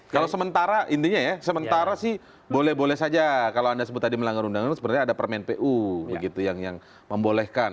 kalau sementara intinya ya sementara sih boleh boleh saja kalau anda sebut tadi melanggar undang undang sebenarnya ada permen pu begitu yang membolehkan